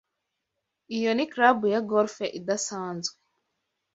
Iyo ni club ya golf idasanzwe.